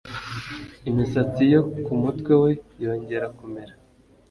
imisatsi yo ku mutwe we yongera kumera